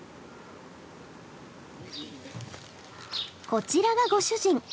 こちらがご主人。